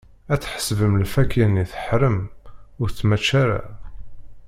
Ad tḥesbem lfakya-nni teḥṛem, ur tettmačča ara.